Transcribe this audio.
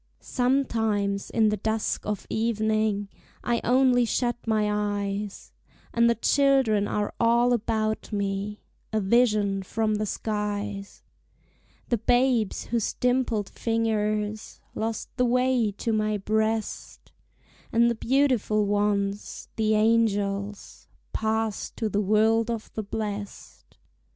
Sometimes, in the dusk of evening, I only shut my eyes, And the children are all about me, A vision from the skies: The babes whose dimpled fingers Lost the way to my breast, And the beautiful ones, the angels, Passed to the world of the blest.